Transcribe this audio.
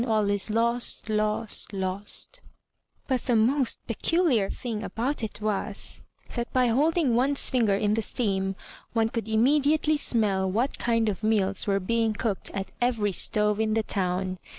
All is lost, lost, lost! But the most peculiar thing about it was, that by holding one's finger in the steam one could immediately smell what kind of meals were being cooked at every stove in the town.